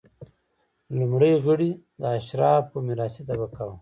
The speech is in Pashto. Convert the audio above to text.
لومړي غړي د اشرافو میراثي طبقه وه.